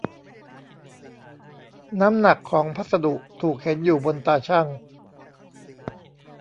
น้ำหนักของพัสดุถูกเห็นอยู่บนตาชั่ง